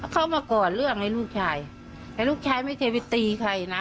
เขามาก่อเรื่องให้ลูกชายแต่ลูกชายไม่เคยไปตีใครนะ